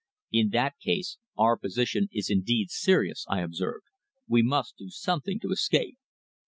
"In that case our position is indeed serious," I observed. "We must do something to escape."